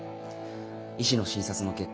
医師の診察の結果